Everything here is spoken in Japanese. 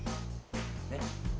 ねっ。